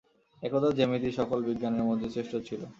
একদা জ্যামিতি সকল বিজ্ঞানের মধ্যে শ্রেষ্ঠ ছিল।